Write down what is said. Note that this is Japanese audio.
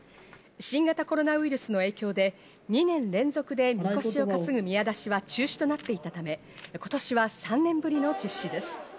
新型コロナウイルスの影響で２年連続でみこしを担ぐ宮出しは中止となっていたため、今年は３年ぶりの実施です。